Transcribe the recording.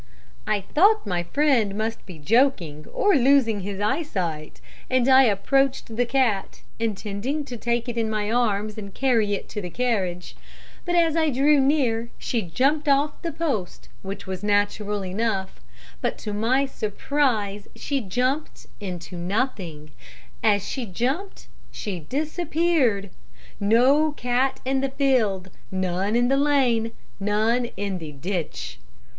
"I thought my friend must be joking, or losing his eyesight, and I approached the cat, intending to take it in my arms and carry it to the carriage; but as I drew near she jumped off the post, which was natural enough, but to my surprise she jumped into nothing as she jumped she disappeared! No cat in the field none in the lane none in the ditch!